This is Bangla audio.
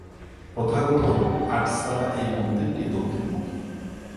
প্রথাগত আটচালা এই মন্দিরটি দক্ষিণমুখী।